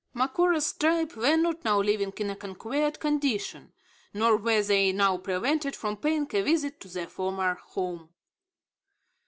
Macora's tribe were not now living in a conquered condition; nor were they now prevented from paying a visit to their former home.